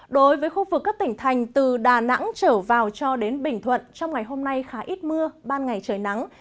đối với khu vực các tỉnh thành từ đà nẵng trở vào cho đến bình thuận trong ngày hôm nay khá ít mưa ban ngày trời nắng